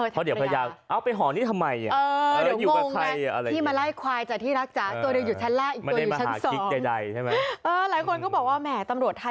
ถ้าเดี๋ยวภรรยา